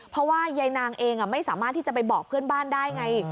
เพราะว่ายายนางเองไม่สามารถที่จะไปบอกเพื่อนบ้านได้ไง